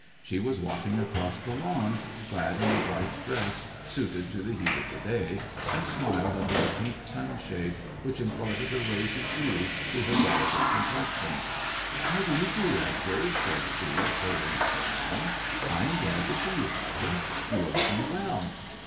She was walking across the lawn, clad in a white dress suited to the heat of the day, and smiled under a pink sunshade which imparted a rosy hue to her delicate complexion. "How do you do, Edgar]" said she, holding out her hand. " I am glad to see you, cousin. You are looking well."